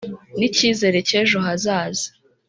N icyizere cyejo hazaza